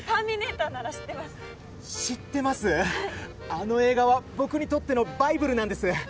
あの映画は僕にとってのバイブルなんです！